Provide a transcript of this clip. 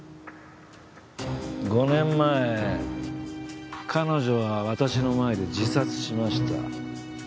５年前彼女は私の前で自殺しました。